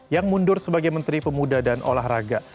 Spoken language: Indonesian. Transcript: yang mundur sebagai menteri pemuda dan olahraga